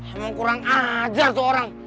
emang kurang ajar tuh orang